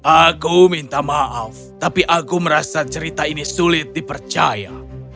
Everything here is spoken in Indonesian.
aku minta maaf tapi aku merasa cerita ini sulit dipercaya